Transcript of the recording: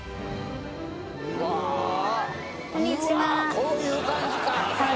こういう感じか！